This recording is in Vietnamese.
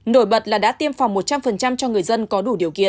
nổi bật là đã tiêm phòng một trăm linh cho người dân có đủ điều kiện